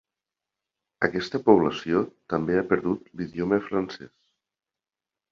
Aquesta població també a perdut l'idioma francès.